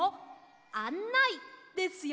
「あんない」ですよ！